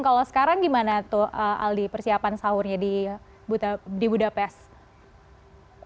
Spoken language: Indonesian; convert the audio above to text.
kalau sekarang gimana tuh aldi persiapan sahurnya di budapest